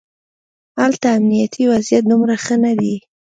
هلته امنیتي وضعیت دومره ښه نه دی.